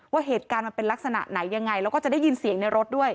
ว่าเหตุการณ์มันเป็นลักษณะไหนยังไงแล้วก็จะได้ยินเสียงในรถด้วย